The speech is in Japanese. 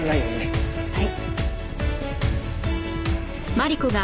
はい。